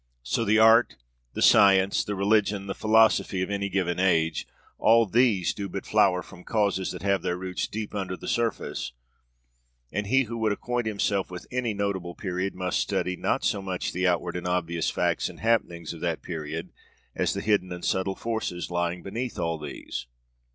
So the art, the science, the religion, the philosophy of any given age, all these do but flower from causes that have their roots deep under the surface; and he who would acquaint himself with any notable period must study, not so much the outward and obvious facts and happenings of that period, as the hidden and subtle forces lying beneath all these.